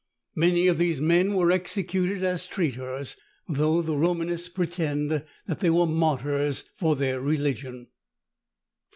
Many of these men were executed as traitors, though the Romanists pretend that they were martyrs for their religion.